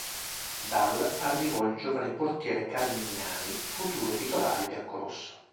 Dal arrivò il giovane portiere Carmignani, futuro titolare biancorosso.